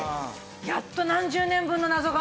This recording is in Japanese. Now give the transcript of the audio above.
やっと何十年分の謎がね。